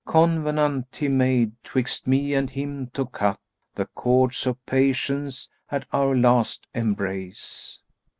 Covenant he made 'twixt me and him, to cut * The cords of Patience at our last embrace!'